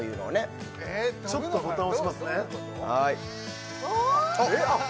ちょっとボタン押しますねあっ